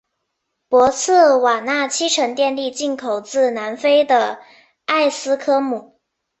博茨瓦纳七成电力进口自南非的埃斯科姆。